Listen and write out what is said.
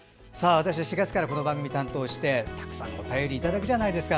私は４月からこの番組担当してたくさんお便りいただくじゃないですか。